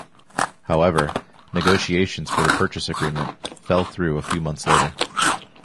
However, negotiations for the purchase agreement fell through a few months later.